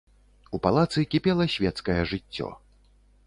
У палацы кіпела свецкае жыццё.